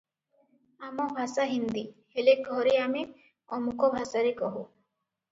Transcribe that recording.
ଆମ ଭାଷା ହିନ୍ଦୀ, ହେଲେ ଘରେ ଆମେ ଅମୁକ ଭାଷାରେ କହୁ ।